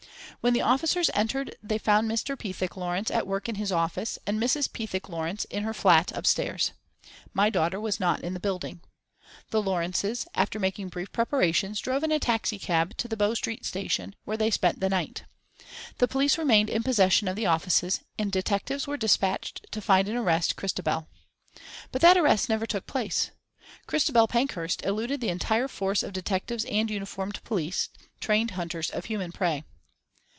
When the officers entered they found Mr. Pethick Lawrence at work in his office, and Mrs. Pethick Lawrence in her flat upstairs. My daughter was not in the building. The Lawrences, after making brief preparations drove in a taxicab to Bow Street Station, where they spent the night. The police remained in possession of the offices, and detectives were despatched to find and arrest Christabel. But that arrest never took place. Christabel Pankhurst eluded the entire force of detectives and uniformed police, trained hunters of human prey.